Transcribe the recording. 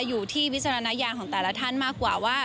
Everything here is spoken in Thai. วิจารณญาณของแต่ละท่านมากกว่าว่า